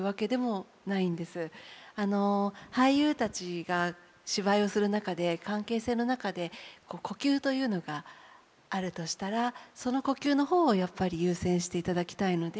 あの俳優たちが芝居をする中で関係性の中で呼吸というのがあるとしたらその呼吸の方をやっぱり優先していただきたいので。